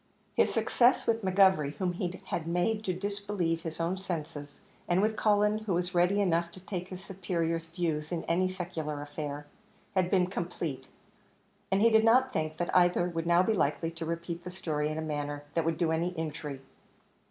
His success with McGovery, whom he had made to disbelieve his own senses, and with Cullen, who was ready enough to take his superior's views in any secular affair, had been complete; and he did not think that either would now be likely to repeat the story in a manner that would do any injury.